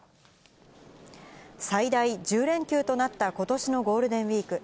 最大１０連休となった、ことしのゴールデンウィーク。